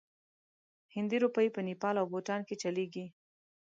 هندي روپۍ په نیپال او بوتان کې چلیږي.